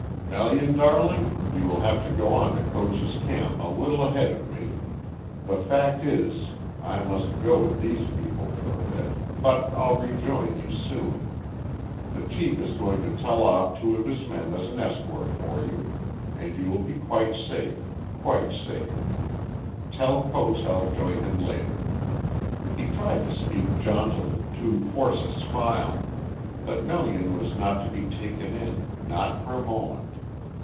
"Melian darling, you will have to go on to Coates' camp a little ahead of me. The fact is I must go with these people for a bit but I'll rejoin you soon. The chief is going to tell off two of his men as an escort for you, and you will be quite safe quite safe. Tell Coates I'll join him later." He tried to speak jauntily to force a smile. But Melian was not to be taken in not for a moment.